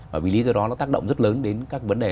bởi vì lý do đó nó tác động rất lớn đến các vấn đề